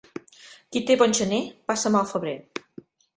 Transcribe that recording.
Qui té bon gener, passa mal febrer.